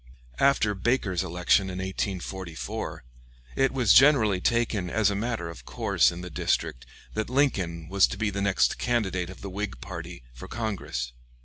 After Baker's election in 1844, it was generally taken as a matter of course in the district that Lincoln was to be the next candidate of the Whig party for Congress.